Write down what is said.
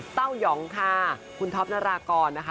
เต้ายองค่ะคุณท็อปนารากรนะคะ